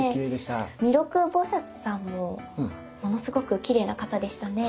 弥勒菩さんもものすごくきれいな方でしたね。